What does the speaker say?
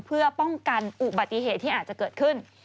เพื่อป้องกันอุบัติเหตุที่อาจจะเกิดขึ้น